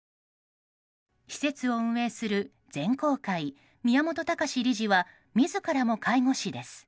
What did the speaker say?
施設を運営する善光会・宮本隆史理事は自らも介護士です。